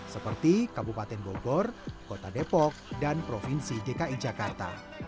seperti kabupaten bogor kota depok dan provinsi dki jakarta